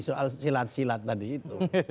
soal silat silat tadi itu